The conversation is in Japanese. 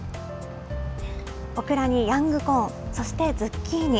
オクラにヤングコーン、そしてズッキーニ。